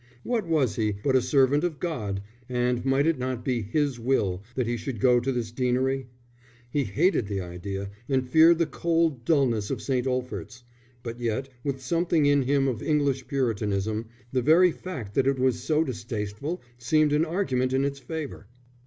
What was he but a servant of God, and might it not be His will that he should go to this deanery? He hated the idea, and feared the cold dulness of St. Olphert's; but yet, with something in him of English puritanism, the very fact that it was so distasteful, seemed an argument in its favour.